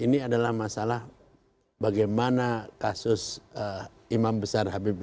ini adalah masalah bagaimana kasus imam besar habib